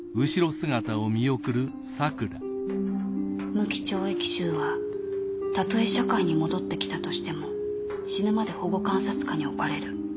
無期懲役囚はたとえ社会に戻ってきたとしても死ぬまで保護観察下に置かれる。